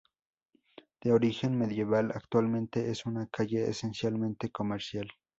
De origen medieval, actualmente es una calle esencialmente comercial.